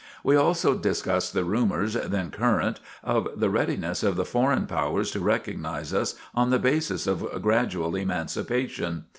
We also discussed the rumors then current of the readiness of the foreign powers to recognize us on the basis of gradual emancipation.